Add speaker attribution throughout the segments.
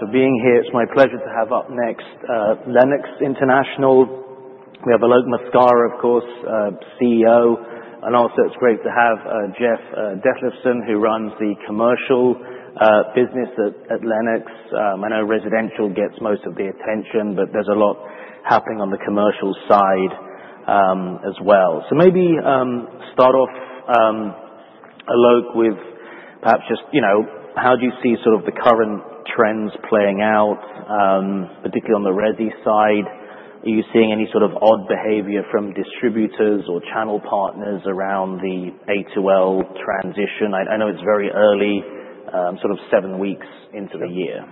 Speaker 1: So being here, it's my pleasure to have up next Lennox International. We have Alok Maskara, of course, CEO, and also it's great to have Jeff Ditlevson, who runs the commercial business at Lennox. I know residential gets most of the attention, but there's a lot happening on the commercial side as well. So maybe start off, Alok, with perhaps just how do you see sort of the current trends playing out, particularly on the residential side? Are you seeing any sort of odd behavior from distributors or channel partners around the A2L transition? I know it's very early, sort of seven weeks into the year.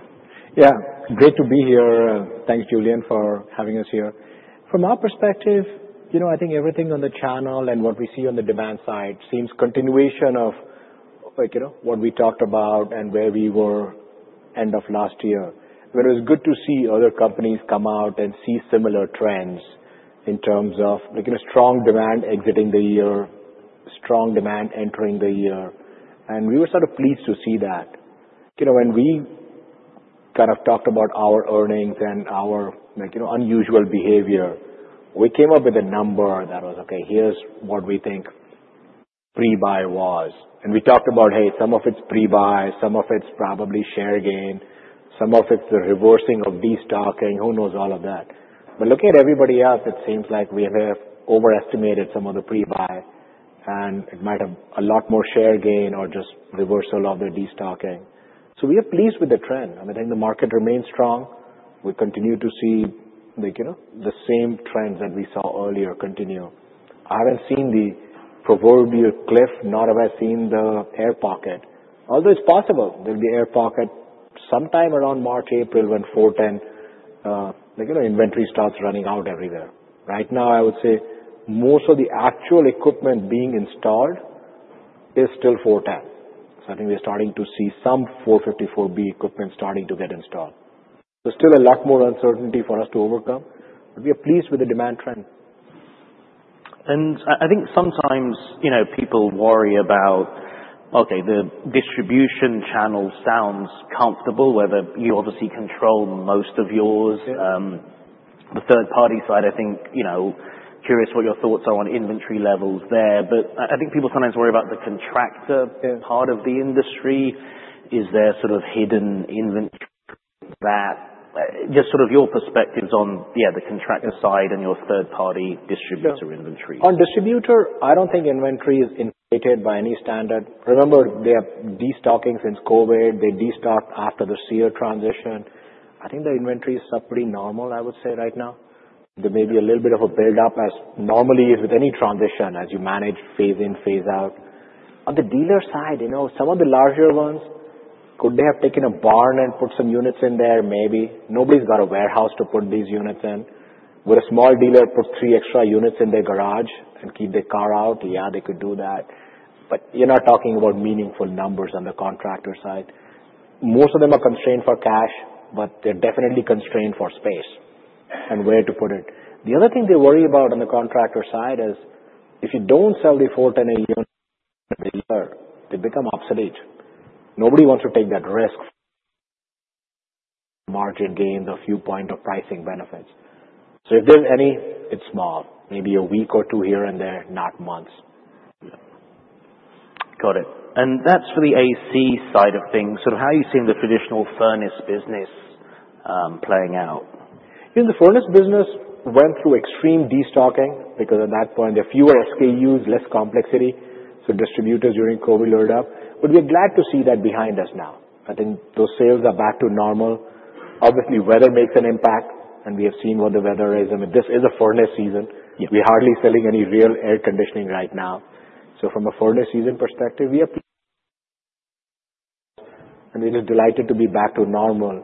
Speaker 2: Yeah, great to be here. Thanks, Julian, for having us here. From our perspective, I think everything on the channel and what we see on the demand side seems continuation of what we talked about and where we were end of last year, but it was good to see other companies come out and see similar trends in terms of strong demand exiting the year, strong demand entering the year, and we were sort of pleased to see that. When we kind of talked about our earnings and our unusual behavior, we came up with a number that was, "Okay, here's what we think pre-buy was." And we talked about, "Hey, some of it's pre-buy, some of it's probably share gain, some of it's the reversing of destocking, who knows all of that." But looking at everybody else, it seems like we have overestimated some of the pre-buy, and it might have a lot more share gain or just reversal of the destocking. So we are pleased with the trend. I mean, I think the market remains strong. We continue to see the same trends that we saw earlier continue. I haven't seen the proverbial cliff, nor have I seen the air pocket. Although it's possible there'll be air pocket sometime around March, April when 410 inventory starts running out everywhere. Right now, I would say most of the actual equipment being installed is still 410. So I think we're starting to see some 454B equipment starting to get installed. There's still a lot more uncertainty for us to overcome, but we are pleased with the demand trend.
Speaker 1: And I think sometimes people worry about, "Okay, the distribution channel sounds comfortable," whether you obviously control most of yours. The third-party side, I think I'm curious what your thoughts are on inventory levels there. But I think people sometimes worry about the contractor part of the industry. Is there sort of hidden inventory that just sort of your perspectives on the contractor side and your third-party distributor inventory?
Speaker 2: On distributor, I don't think inventory is inflated by any standard. Remember, they are destocking since COVID. They destocked after the SEER transition. I think the inventory is pretty normal, I would say, right now. There may be a little bit of a build-up as normally is with any transition as you manage phase in, phase out. On the dealer side, some of the larger ones, could they have taken a barn and put some units in there? Maybe. Nobody's got a warehouse to put these units in. Would a small dealer put three extra units in their garage and keep their car out? Yeah, they could do that. But you're not talking about meaningful numbers on the contractor side. Most of them are constrained for cash, but they're definitely constrained for space and where to put it. The other thing they worry about on the contractor side is if you don't sell the 410 in a year, they become obsolete. Nobody wants to take that risk for margin gains or viewpoint or pricing benefits. So if there's any, it's small. Maybe a week or two here and there, not months.
Speaker 1: Got it. And that's for the AC side of things. So how are you seeing the traditional furnace business playing out?
Speaker 2: The furnace business went through extreme destocking because at that point, there are fewer SKUs, less complexity. Distributors during COVID loaded up. We're glad to see that behind us now. I think those sales are back to normal. Obviously, weather makes an impact, and we have seen what the weather is. I mean, this is a furnace season. We're hardly selling any real air conditioning right now. From a furnace season perspective, we are pleased. We're just delighted to be back to normal.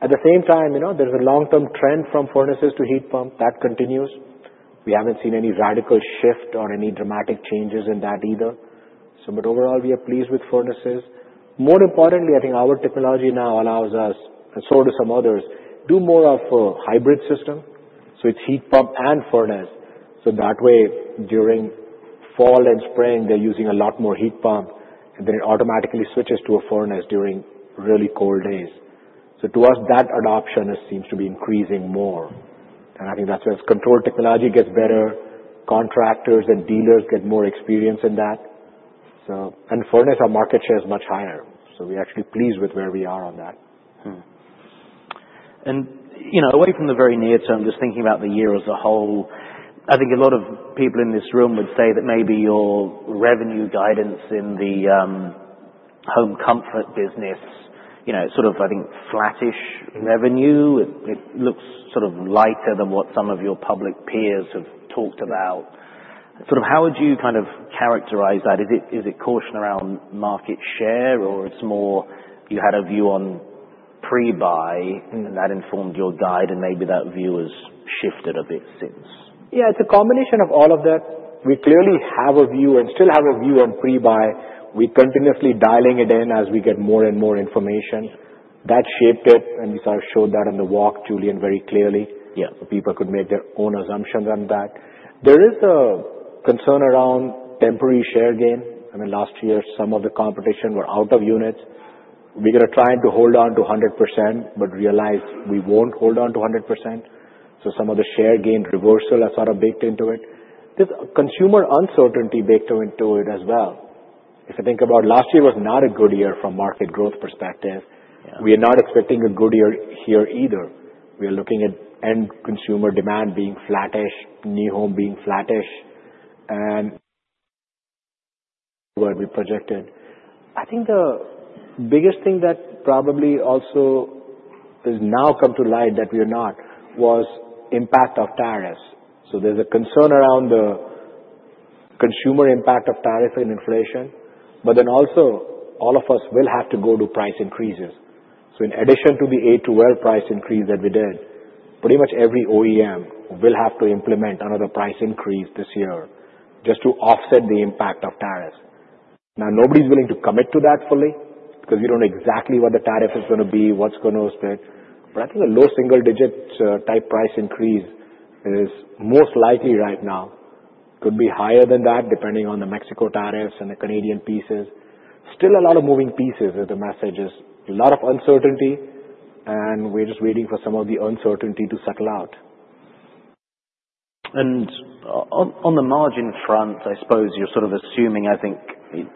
Speaker 2: At the same time, there's a long-term trend from furnaces to heat pump that continues. We haven't seen any radical shift or any dramatic changes in that either. Overall, we are pleased with furnaces. More importantly, I think our technology now allows us, and so do some others, to do more of a hybrid system. It's heat pump and furnace. So that way, during fall and spring, they're using a lot more heat pump, and then it automatically switches to a furnace during really cold days. So to us, that adoption seems to be increasing more. And I think that's where control technology gets better. Contractors and dealers get more experience in that. And furnace market share is much higher. So we're actually pleased with where we are on that.
Speaker 1: Away from the very near term, just thinking about the year as a whole, I think a lot of people in this room would say that maybe your revenue guidance in the home comfort business, sort of, I think, flattish revenue. It looks sort of lighter than what some of your public peers have talked about. Sort of how would you kind of characterize that? Is it caution around market share, or it's more you had a view on pre-buy and that informed your guide, and maybe that view has shifted a bit since?
Speaker 2: Yeah, it's a combination of all of that. We clearly have a view and still have a view on pre-buy. We're continuously dialing it in as we get more and more information. That shaped it, and we sort of showed that on the walk, Julian, very clearly. People could make their own assumptions on that. There is a concern around temporary share gain. I mean, last year, some of the competition were out of units. We're going to try to hold on to 100%, but realize we won't hold on to 100%. So some of the share gain reversal has sort of baked into it. There's consumer uncertainty baked into it as well. If you think about last year was not a good year from market growth perspective, we are not expecting a good year here either. We are looking at end consumer demand being flattish, new home being flattish, and where we projected. I think the biggest thing that probably also has now come to light that we are not was impact of tariffs, so there's a concern around the consumer impact of tariffs and inflation, but then also all of us will have to go to price increases, so in addition to the A2L price increase that we did, pretty much every OEM will have to implement another price increase this year just to offset the impact of tariffs. Now, nobody's willing to commit to that fully because we don't know exactly what the tariff is going to be, what's going to split, but I think a low single-digit type price increase is most likely right now. It could be higher than that, depending on the Mexico tariffs and the Canadian pieces. Still, a lot of moving pieces is the message, just a lot of uncertainty, and we're just waiting for some of the uncertainty to settle out.
Speaker 1: On the margin front, I suppose you're sort of assuming, I think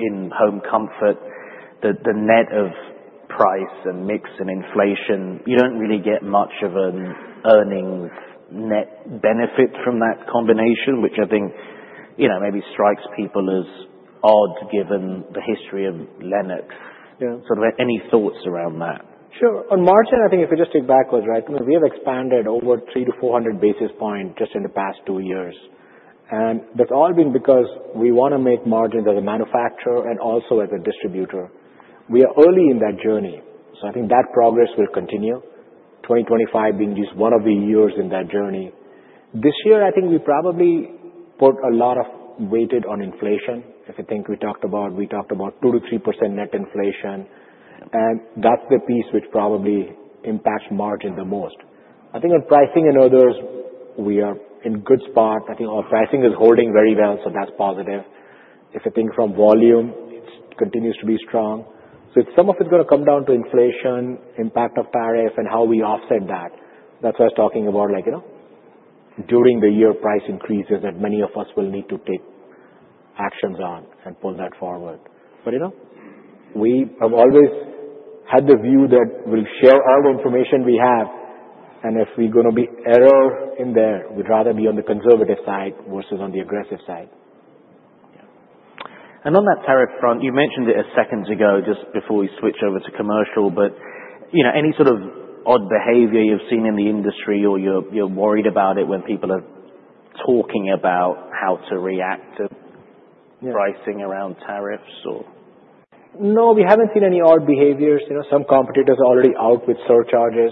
Speaker 1: in home comfort, that the net of price and mix and inflation, you don't really get much of an earnings net benefit from that combination, which I think maybe strikes people as odd given the history of Lennox. Sort of any thoughts around that?
Speaker 2: Sure. On margin, I think if we just take backwards, right, we have expanded over 300-400 basis points just in the past two years. And that's all been because we want to make margins as a manufacturer and also as a distributor. We are early in that journey. So I think that progress will continue, 2025 being just one of the years in that journey. This year, I think we probably put a lot of weight on inflation. If you think we talked about, we talked about 2%-3% net inflation, and that's the piece which probably impacts margin the most. I think on pricing and others, we are in good spot. I think our pricing is holding very well, so that's positive. If you think from volume, it continues to be strong. So some of it's going to come down to inflation, impact of tariff, and how we offset that. That's why I was talking about during the year price increases that many of us will need to take actions on and pull that forward. But we have always had the view that we'll share all the information we have, and if we're going to be error in there, we'd rather be on the conservative side versus on the aggressive side.
Speaker 1: And on that tariff front, you mentioned it a second ago just before we switch over to commercial, but any sort of odd behavior you've seen in the industry or you're worried about it when people are talking about how to react to pricing around tariffs or?
Speaker 2: No, we haven't seen any odd behaviors. Some competitors are already out with surcharges.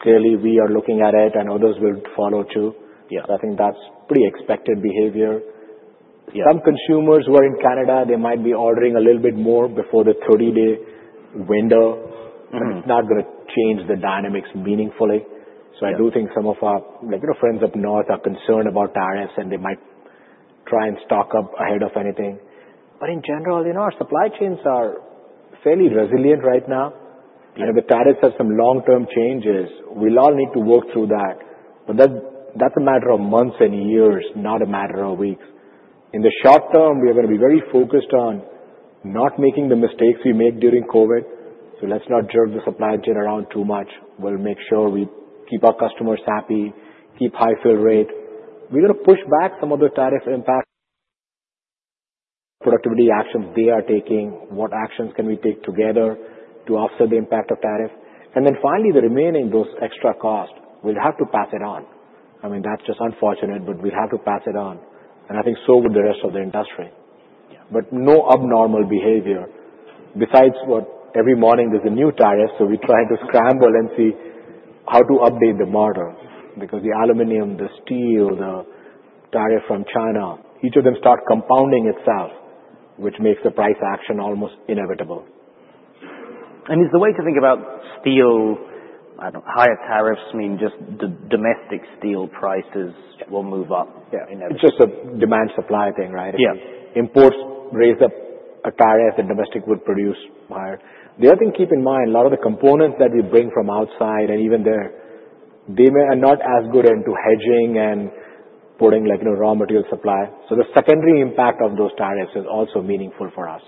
Speaker 2: Clearly, we are looking at it, and others will follow too. I think that's pretty expected behavior. Some consumers who are in Canada, they might be ordering a little bit more before the 30-day window. It's not going to change the dynamics meaningfully, so I do think some of our friends up north are concerned about tariffs, and they might try and stock up ahead of anything, but in general, our supply chains are fairly resilient right now. The tariffs have some long-term changes. We'll all need to work through that, but that's a matter of months and years, not a matter of weeks. In the short term, we are going to be very focused on not making the mistakes we made during COVID, so let's not jerk the supply chain around too much. We'll make sure we keep our customers happy, keep high fill rate. We're going to push back some of the tariff impact, productivity actions they are taking, what actions can we take together to offset the impact of tariff, and then finally, the remaining, those extra costs, we'll have to pass it on. I mean, that's just unfortunate, but we'll have to pass it on, and I think so would the rest of the industry, but no abnormal behavior. Besides, every morning there's a new tariff, so we try to scramble and see how to update the model because the aluminum, the steel, the tariff from China, each of them start compounding itself, which makes the price action almost inevitable.
Speaker 1: Is the way to think about steel, higher tariffs mean just domestic steel prices will move up?
Speaker 2: Yeah, it's just a demand-supply thing, right? Imports raise up a tariff, and domestic would produce higher. The other thing to keep in mind, a lot of the components that we bring from outside and even there, they are not as good into hedging and putting raw material supply. So the secondary impact of those tariffs is also meaningful for us.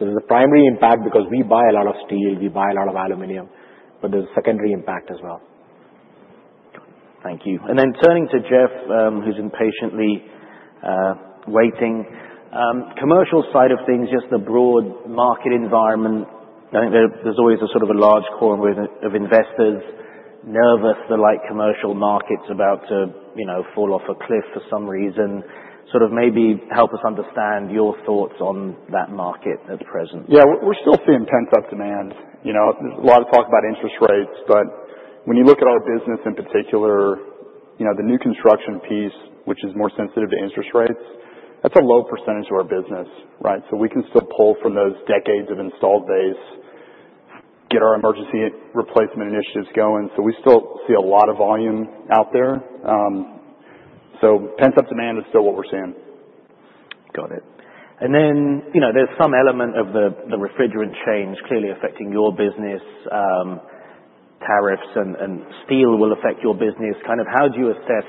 Speaker 2: So there's a primary impact because we buy a lot of steel, we buy a lot of aluminum, but there's a secondary impact as well.
Speaker 1: Thank you. And then turning to Jeff, who's impatiently waiting. Commercial side of things, just the broad market environment, I think there's always a sort of a large core of investors nervous that like commercial markets about to fall off a cliff for some reason. Sort of maybe help us understand your thoughts on that market at present.
Speaker 3: Yeah, we're still seeing pent-up demand. There's a lot of talk about interest rates, but when you look at our business in particular, the new construction piece, which is more sensitive to interest rates, that's a low percentage of our business, right? So we can still pull from those decades of installed base, get our emergency replacement initiatives going. So we still see a lot of volume out there. So pent-up demand is still what we're seeing.
Speaker 1: Got it, and then there's some element of the refrigerant change clearly affecting your business. Tariffs and steel will affect your business. Kind of how do you assess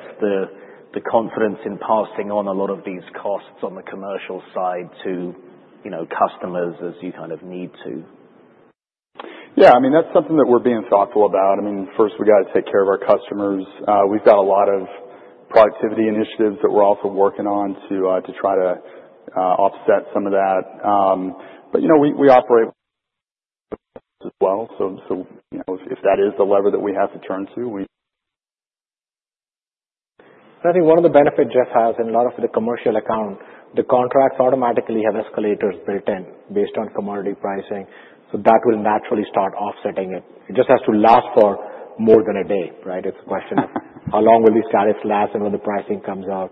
Speaker 1: the confidence in passing on a lot of these costs on the commercial side to customers as you kind of need to?
Speaker 3: Yeah, I mean, that's something that we're being thoughtful about. I mean, first, we got to take care of our customers. We've got a lot of productivity initiatives that we're also working on to try to offset some of that. But we operate as well. So if that is the lever that we have to turn to, we.
Speaker 2: I think one of the benefits Jeff has in a lot of the commercial account, the contracts automatically have escalators built in based on commodity pricing. So that will naturally start offsetting it. It just has to last for more than a day, right? It's a question of how long will these tariffs last and when the pricing comes out.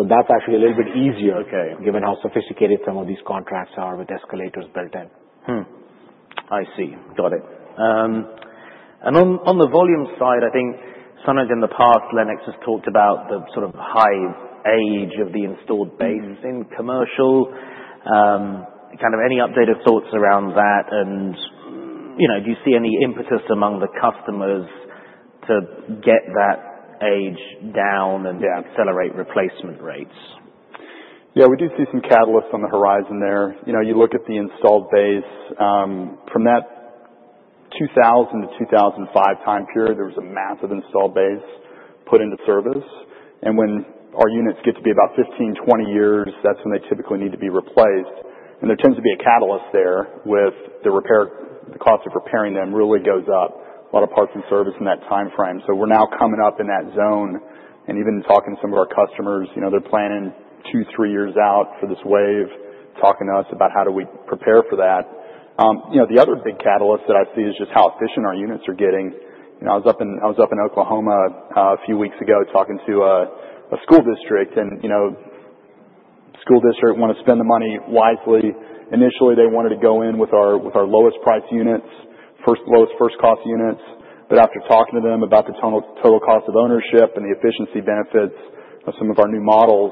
Speaker 2: So that's actually a little bit easier given how sophisticated some of these contracts are with escalators built in.
Speaker 1: I see. Got it. And on the volume side, I think sometimes in the past, Lennox has talked about the sort of high age of the installed base in commercial. Kind of any updated thoughts around that? And do you see any impetus among the customers to get that age down and accelerate replacement rates?
Speaker 3: Yeah, we do see some catalysts on the horizon there. You look at the installed base. From that 2000-2005 time period, there was a massive installed base put into service. And when our units get to be about 15-20 years, that's when they typically need to be replaced. And there tends to be a catalyst there with the repair. The cost of repairing them really goes up. A lot of parts and service in that time frame. So we're now coming up in that zone. And even talking to some of our customers, they're planning two-three years out for this wave, talking to us about how do we prepare for that. The other big catalyst that I see is just how efficient our units are getting. I was up in Oklahoma a few weeks ago talking to a school district, and school district wanted to spend the money wisely. Initially, they wanted to go in with our lowest price units, first lowest first cost units. But after talking to them about the total cost of ownership and the efficiency benefits of some of our new models,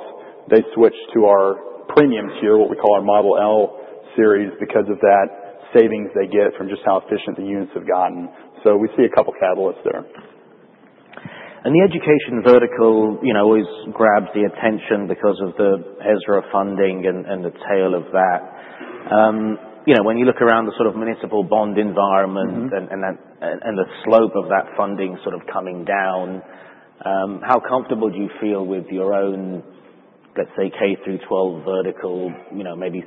Speaker 3: they switched to our premium tier, what we call our Model L series because of that savings they get from just how efficient the units have gotten. So we see a couple of catalysts there.
Speaker 1: The education vertical always grabs the attention because of the ESSER funding and the tale of that. When you look around the sort of municipal bond environment and the slope of that funding sort of coming down, how comfortable do you feel with your own, let's say, K through 12 vertical, maybe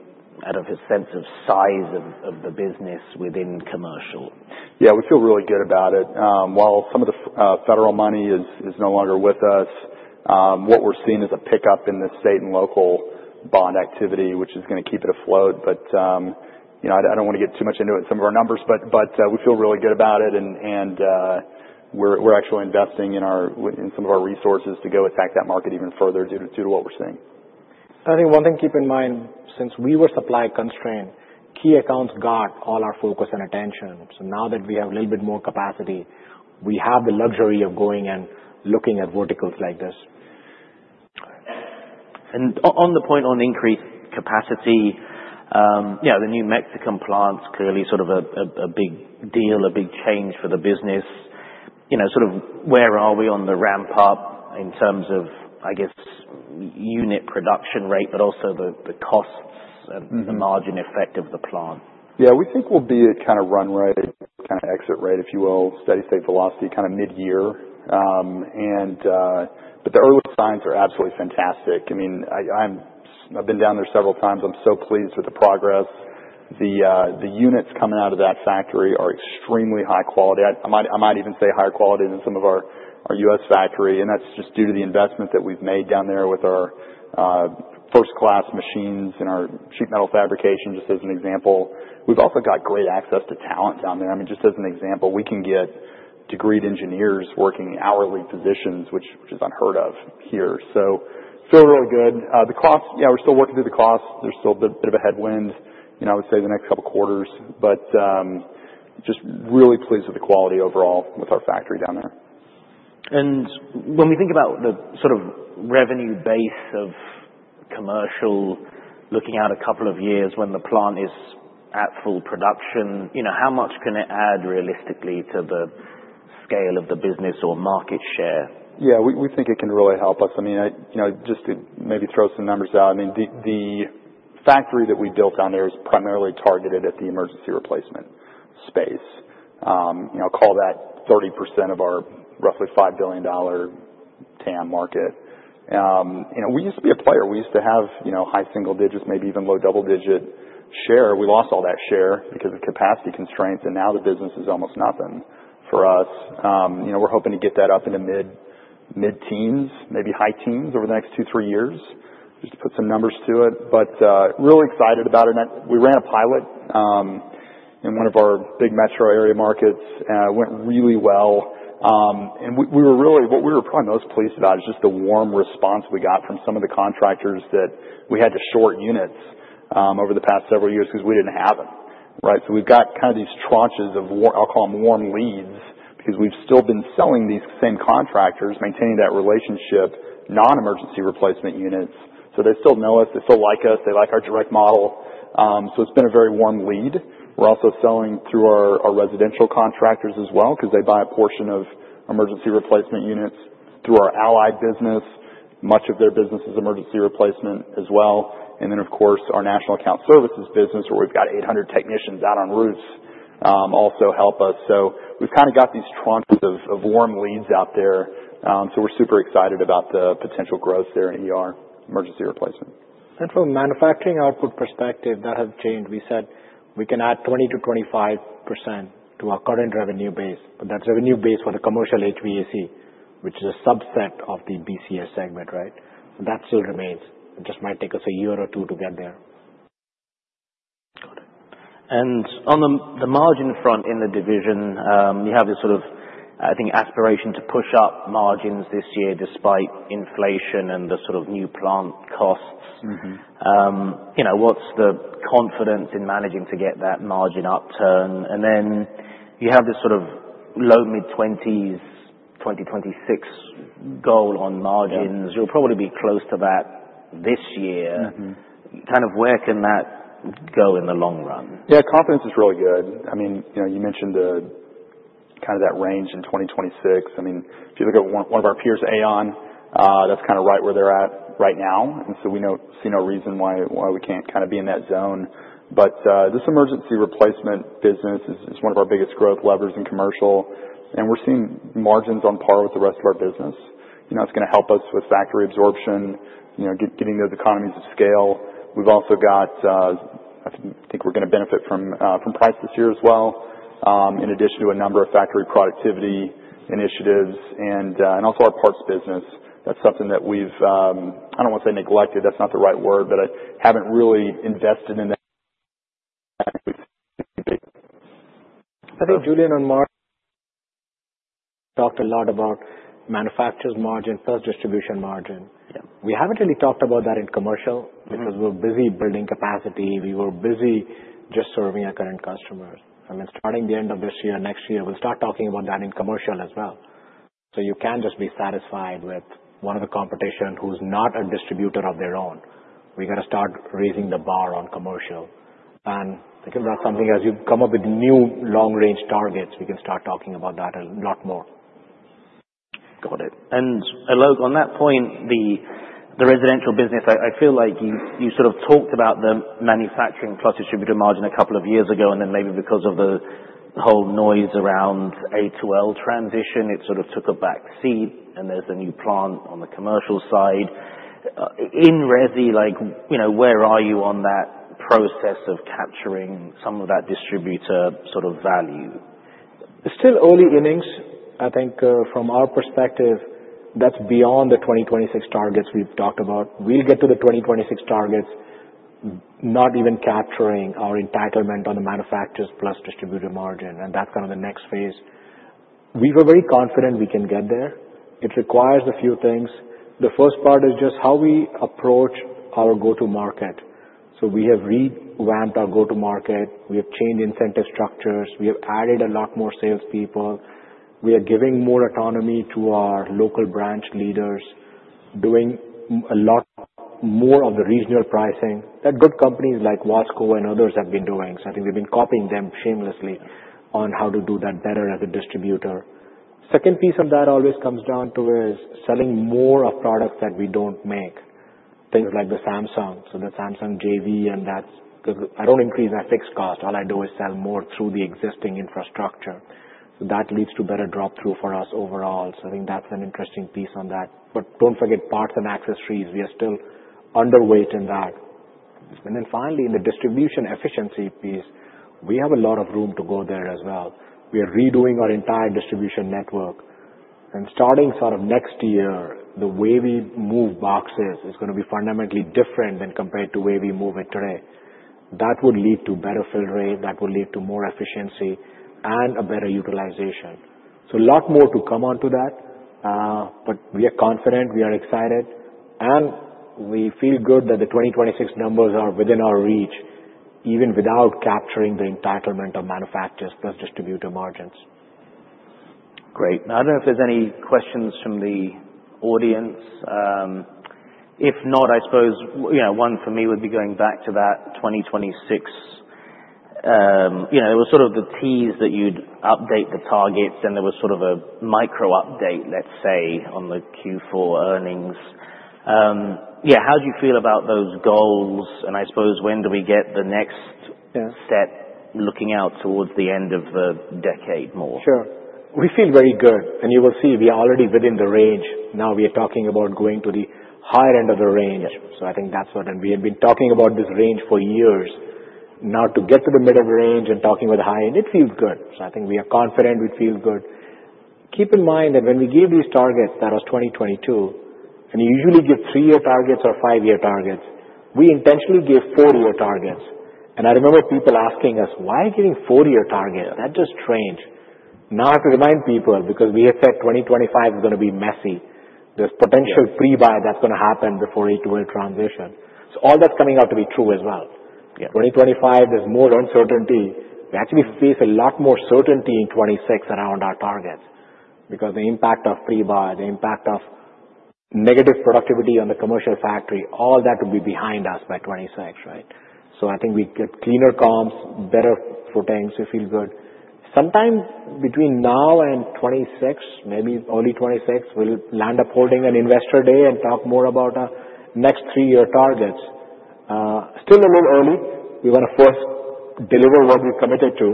Speaker 1: out of a sense of size of the business within commercial?
Speaker 3: Yeah, we feel really good about it. While some of the federal money is no longer with us, what we're seeing is a pickup in the state and local bond activity, which is going to keep it afloat. But I don't want to get too much into some of our numbers, but we feel really good about it, and we're actually investing in some of our resources to go attack that market even further due to what we're seeing.
Speaker 2: I think one thing to keep in mind, since we were supply constrained, key accounts got all our focus and attention. So now that we have a little bit more capacity, we have the luxury of going and looking at verticals like this.
Speaker 1: On the point on increased capacity, the new Mexico plant's clearly sort of a big deal, a big change for the business. Sort of where are we on the ramp up in terms of, I guess, unit production rate, but also the costs and the margin effect of the plant?
Speaker 3: Yeah, we think we'll be at kind of run rate, kind of exit rate, if you will, steady state velocity, kind of mid-year. But the early signs are absolutely fantastic. I mean, I've been down there several times. I'm so pleased with the progress. The units coming out of that factory are extremely high quality. I might even say higher quality than some of our U.S. factory. And that's just due to the investment that we've made down there with our first class machines and our sheet metal fabrication, just as an example. We've also got great access to talent down there. I mean, just as an example, we can get degreed engineers working hourly positions, which is unheard of here. So feel really good. The cost, yeah, we're still working through the cost. There's still a bit of a headwind, I would say, the next couple of quarters. But just really pleased with the quality overall with our factory down there.
Speaker 1: When we think about the sort of revenue base of commercial, looking out a couple of years when the plant is at full production, how much can it add realistically to the scale of the business or market share?
Speaker 3: Yeah, we think it can really help us. I mean, just to maybe throw some numbers out, I mean, the factory that we built down there is primarily targeted at the emergency replacement space. I'll call that 30% of our roughly $5 billion TAM market. We used to be a player. We used to have high single digits, maybe even low double digit share. We lost all that share because of capacity constraints, and now the business is almost nothing for us. We're hoping to get that up into mid-teens, maybe high teens over the next two, three years, just to put some numbers to it. But really excited about it. We ran a pilot in one of our big metro area markets. It went really well. And what we were probably most pleased about is just the warm response we got from some of the contractors that we had to short units over the past several years because we didn't have them. So we've got kind of these tranches of. I'll call them warm leads because we've still been selling these same contractors, maintaining that relationship, non-emergency replacement units. So they still know us. They still like us. They like our direct model. So it's been a very warm lead. We're also selling through our residential contractors as well because they buy a portion of emergency replacement units through our Allied business. Much of their business is emergency replacement as well. And then, of course, our National Account Services business, where we've got 800 technicians out on roofs, also help us. So we've kind of got these tranches of warm leads out there. We're super excited about the potential growth there in emergency replacement.
Speaker 2: And from a manufacturing output perspective, that has changed. We said we can add 20%-25% to our current revenue base, but that's revenue base for the commercial HVAC, which is a subset of the BCS segment, right? So that still remains. It just might take us a year or two to get there.
Speaker 1: Got it. And on the margin front in the division, you have this sort of, I think, aspiration to push up margins this year despite inflation and the sort of new plant costs. What's the confidence in managing to get that margin upturn? And then you have this sort of low mid-20s, 2026 goal on margins. You'll probably be close to that this year. Kind of where can that go in the long run?
Speaker 3: Yeah, confidence is really good. I mean, you mentioned kind of that range in 2026. I mean, if you look at one of our peers, AAON, that's kind of right where they're at right now. And so we don't see no reason why we can't kind of be in that zone. But this emergency replacement business is one of our biggest growth levers in commercial. And we're seeing margins on par with the rest of our business. It's going to help us with factory absorption, getting those economies of scale. We've also got, I think we're going to benefit from price this year as well, in addition to a number of factory productivity initiatives and also our parts business. That's something that we've, I don't want to say neglected, that's not the right word, but I haven't really invested in that. I think Julian and Mark talked a lot about manufacturers' margin, first distribution margin. We haven't really talked about that in commercial because we're busy building capacity. We were busy just serving our current customers. I mean, starting the end of this year, next year, we'll start talking about that in commercial as well. So you can't just be satisfied with one of the competition who's not a distributor of their own. We got to start raising the bar on commercial. And I think about something as you come up with new long-range targets, we can start talking about that a lot more.
Speaker 1: Got it. And on that point, the residential business, I feel like you sort of talked about the manufacturing plus distributor margin a couple of years ago, and then maybe because of the whole noise around A2L transition, it sort of took a back seat and there's a new plant on the commercial side. In Resi, where are you on that process of capturing some of that distributor sort of value?
Speaker 3: Still early innings. I think from our perspective, that's beyond the 2026 targets we've talked about. We'll get to the 2026 targets, not even capturing our entitlement on the manufacturers plus distributor margin. And that's kind of the next phase. We were very confident we can get there. It requires a few things. The first part is just how we approach our go-to market. So we have revamped our go-to market. We have changed incentive structures. We have added a lot more salespeople. We are giving more autonomy to our local branch leaders, doing a lot more of the regional pricing that good companies like Wells Fargo and others have been doing. So I think they've been copying them shamelessly on how to do that better as a distributor. Second piece of that always comes down to is selling more of products that we don't make, things like the Samsung. So the Samsung JV, and that's because I don't increase my fixed cost. All I do is sell more through the existing infrastructure. So that leads to better drop through for us overall. So I think that's an interesting piece on that. But don't forget parts and accessories. We are still underweight in that. And then finally, in the distribution efficiency piece, we have a lot of room to go there as well. We are redoing our entire distribution network. And starting sort of next year, the way we move boxes is going to be fundamentally different than compared to where we move it today. That would lead to better fill rate. That would lead to more efficiency and a better utilization. So a lot more to come on to that. But we are confident. We are excited. We feel good that the 2026 numbers are within our reach, even without capturing the entitlement of manufacturers plus distributor margins.
Speaker 1: Great. I don't know if there's any questions from the audience. If not, I suppose one for me would be going back to that 2026. There was sort of the tease that you'd update the targets, and there was sort of a micro update, let's say, on the Q4 earnings. Yeah, how do you feel about those goals? And I suppose, when do we get the next step looking out towards the end of the decade more?
Speaker 2: Sure. We feel very good, and you will see we are already within the range. Now we are talking about going to the higher end of the range, so I think that's what we have been talking about this range for years. Now to get to the middle range and talking about the high end, it feels good, so I think we are confident. We feel good. Keep in mind that when we gave these targets, that was 2022, and we usually give three-year targets or five-year targets. We intentionally gave four-year targets, and I remember people asking us, "Why are you giving four-year targets? That just changed." Now I have to remind people because we have said 2025 is going to be messy. There's potential pre-buy that's going to happen before A2L transition. So all that's coming out to be true as well. 2025, there's more uncertainty. We actually face a lot more certainty in 2026 around our targets because the impact of pre-buy, the impact of negative productivity on the commercial factory, all that will be behind us by 2026, right? So I think we get cleaner comms, better footings. We feel good. Sometime between now and 2026, maybe early 2026, we'll land up holding an investor day and talk more about our next three-year targets. Still a little early. We want to first deliver what we've committed to.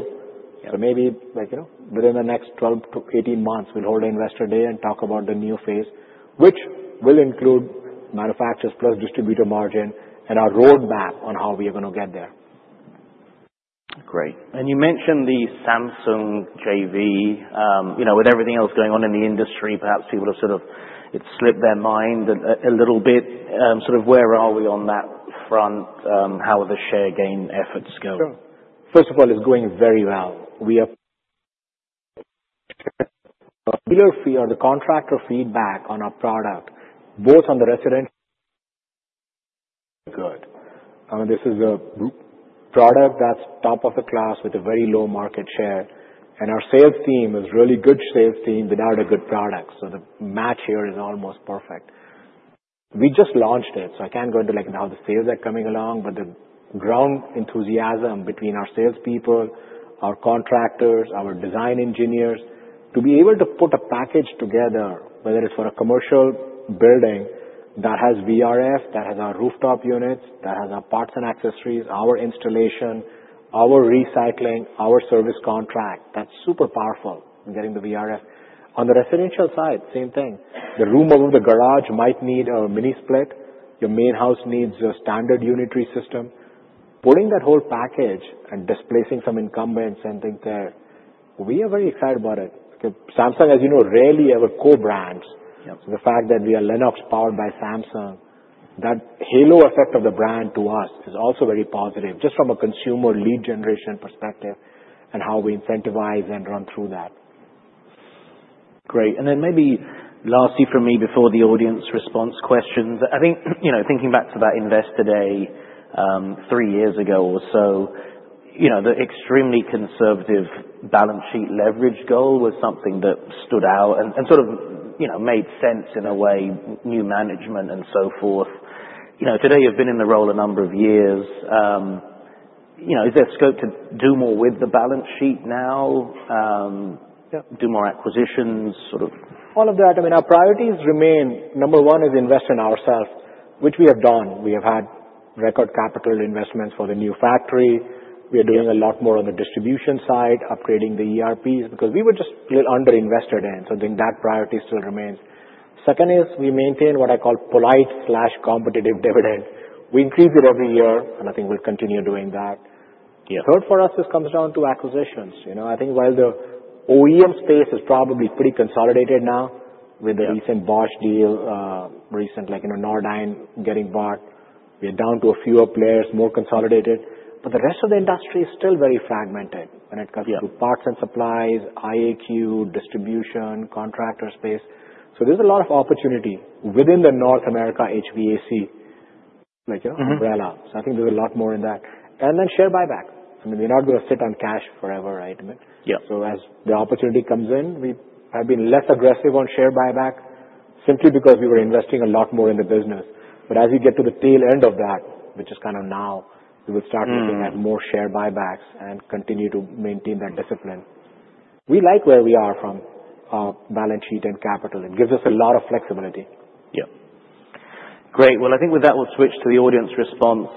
Speaker 2: Maybe within the next 12-18 months, we'll hold an investor day and talk about the new phase, which will include manufacturers plus distributor margin and our roadmap on how we are going to get there.
Speaker 1: Great. And you mentioned the Samsung JV. With everything else going on in the industry, perhaps people have sort of slipped their mind a little bit. Sort of where are we on that front? How are the share gain efforts going?
Speaker 2: First of all, it's going very well. We are blown away on the contractor feedback on our product, both on the residential. Good. This is a product that's top of the class with a very low market share, and our sales team is a really good sales team without a good product, so the match here is almost perfect. We just launched it, so I can't go into now the sales that are coming along, but the growing enthusiasm between our salespeople, our contractors, our design engineers, to be able to put a package together, whether it's for a commercial building that has VRF, that has our rooftop units, that has our parts and accessories, our installation, our recycling, our service contract, that's super powerful in getting the VRF. On the residential side, same thing. The room above the garage might need a mini-split. Your main house needs a standard unitary system. Putting that whole package and displacing some incumbents and things there, we are very excited about it. Samsung, as you know, rarely ever co-brands. The fact that we are Lennox powered by Samsung, that halo effect of the brand to us is also very positive just from a consumer lead generation perspective and how we incentivize and run through that.
Speaker 1: Great. And then maybe lastly for me before the audience response questions, I think thinking back to that Investor Day three years ago or so, the extremely conservative balance sheet leverage goal was something that stood out and sort of made sense in a way, new management and so forth. Today, you've been in the role a number of years. Is there scope to do more with the balance sheet now, do more acquisitions?
Speaker 2: All of that. I mean, our priorities remain. Number one is invest in ourselves, which we have done. We have had record capital investments for the new factory. We are doing a lot more on the distribution side, upgrading the ERPs because we were just underinvested in. So I think that priority still remains. Second is we maintain what I call polite/competitive dividend. We increase it every year, and I think we'll continue doing that. Third for us, this comes down to acquisitions. I think while the OEM space is probably pretty consolidated now with the recent Bosch deal, recent Nordyne getting bought, we are down to a fewer players, more consolidated. But the rest of the industry is still very fragmented when it comes to parts and supplies, IAQ, distribution, contractor space. So there's a lot of opportunity within the North America HVAC umbrella. So I think there's a lot more in that. And then share buyback. I mean, we're not going to sit on cash forever, right? So as the opportunity comes in, we have been less aggressive on share buyback simply because we were investing a lot more in the business. But as we get to the tail end of that, which is kind of now, we will start looking at more share buybacks and continue to maintain that discipline. We like where we are from our balance sheet and capital. It gives us a lot of flexibility.
Speaker 1: Yeah.
Speaker 2: Great. Well, I think with that, we'll switch to the audience response.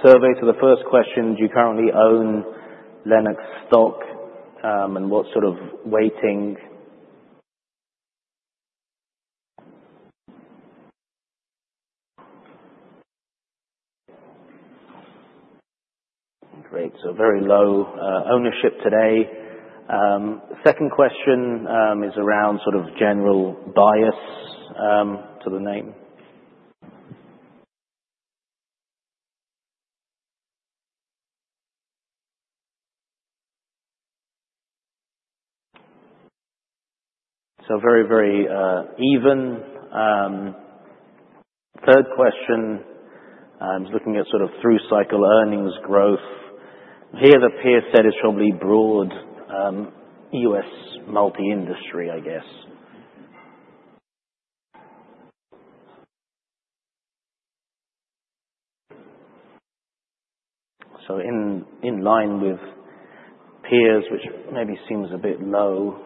Speaker 2: Survey to the first question, do you currently own Lennox stock and what sort of weighting? Great. So very low ownership today. Second question is around sort of general bias to the name. So very, very even. Third question, I'm looking at sort of through cycle earnings growth. Here, the peer set is probably broad U.S. multi-industry, I guess. So in line with peers, which maybe seems a bit low.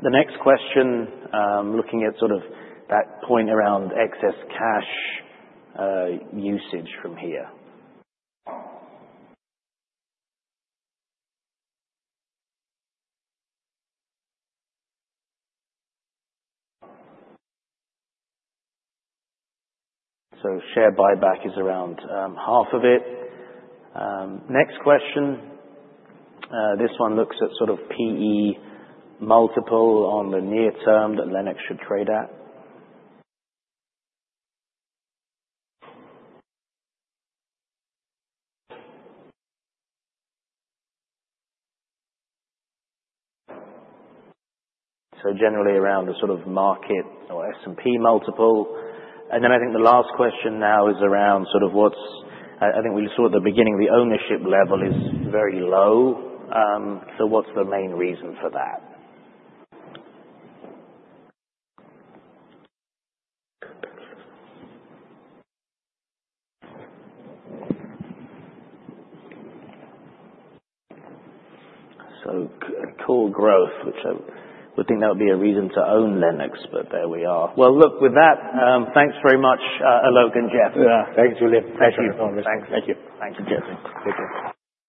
Speaker 2: The next question, looking at sort of that point around excess cash usage from here. So share buyback is around half of it. Next question. This one looks at sort of P/E multiple on the near term that Lennox should trade at. So generally around a sort of market or S&P multiple. And then I think the last question now is around sort of what's, I think, we saw at the beginning, the ownership level is very low. So what's the main reason for that? So core growth, which I would think that would be a reason to own Lennox, but there we are.
Speaker 1: Well, look, with that, thanks very much, Alok and Jeff.
Speaker 3: Yeah. Thanks, Julian. Thank you for coming.
Speaker 2: Thank you. Thank you.
Speaker 1: Thank you, Jeff.
Speaker 2: Take care.